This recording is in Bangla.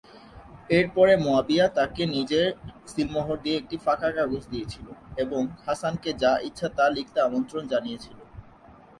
এর পরে, মুয়াবিয়া তাকে নীচে নিজের সীলমোহর দিয়ে একটি ফাঁকা কাগজ দিয়েছিল, এবং হাসানকে যা ইচ্ছা তা লিখতে আমন্ত্রণ জানিয়েছিল।